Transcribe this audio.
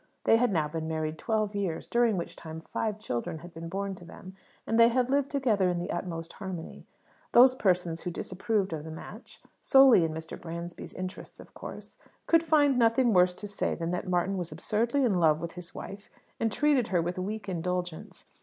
They had now been married twelve years, during which time five children had been born to them, and they had lived together in the utmost harmony. Those persons who disapproved of the match (solely in Mr. Bransby's interests, of course) could find nothing worse to say than that Martin was absurdly in love with his wife, and treated her with weak indulgence.